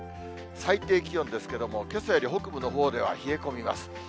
最低気温ですけれども、けさより北部のほうでは冷え込みます。